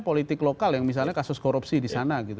politik lokal yang misalnya kasus korupsi disana gitu